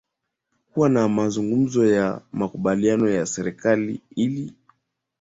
kuwa na mazungumzo ya makubaliano ya kiserikali ili